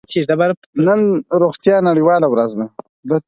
نن د روغتیا نړیواله ورځ ده.